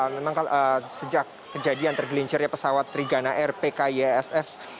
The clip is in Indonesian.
memang sejak kejadian tergelincirnya pesawat trigana air pkysf